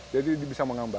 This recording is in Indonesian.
jadi bisa mengambang